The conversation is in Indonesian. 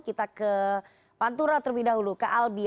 kita ke pantura terlebih dahulu ke albi